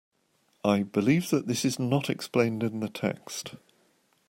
I believe that this is not explained in the text.